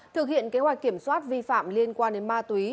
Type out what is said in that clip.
thực hiện kế hoạch kiểm soát vi phạm liên quan đến ma túy